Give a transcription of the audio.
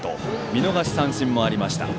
見逃し三振もありました。